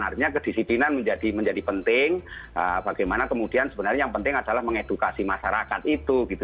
artinya kedisiplinan menjadi penting bagaimana kemudian sebenarnya yang penting adalah mengedukasi masyarakat itu gitu